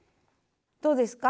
どうですか？